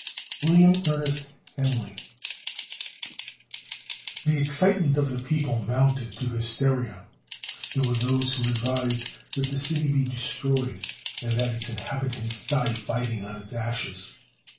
WILLIAM ERNEST HENLEY. The excitement of the people mounted to hysteria; there were those who advised that the city be destroyed and that its inhabitants die fighting on its ashes.